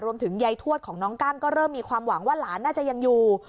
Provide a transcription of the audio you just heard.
ยายทวดของน้องกั้งก็เริ่มมีความหวังว่าหลานน่าจะยังอยู่